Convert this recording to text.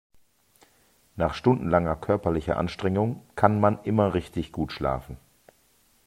Nach stundenlanger körperlicher Anstrengung kann man immer richtig gut schlafen.